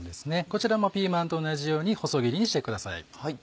こちらもピーマンと同じように細切りにしてください。